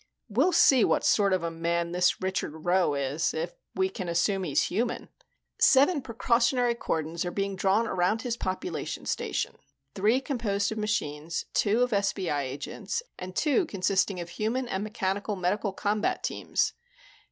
We'll see what sort of man this Richard Rowe is if we can assume he's human. Seven precautionary cordons are being drawn around his population station: three composed of machines, two of SBI agents, and two consisting of human and mechanical medical combat teams.